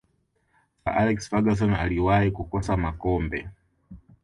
sir alex ferguson aliwahi kukosa makombe